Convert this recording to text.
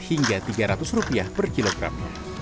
hingga tiga ratus rupiah per kilogram